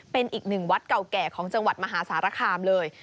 เป็นอีกหนึ่งวัดเก่าแก่ของจังหวัดมหาสารคามเลย